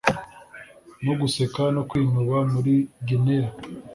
no guseka no kwinuba muri gineya,